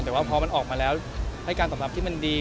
แต่ว่าพอมันออกมาแล้วให้การตอบรับที่มันดี